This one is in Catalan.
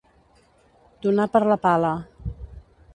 Donar per la pala.